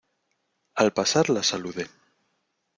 Al pasar la saludé.